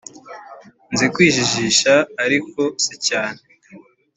Nzi kwijijisha ariko sicyane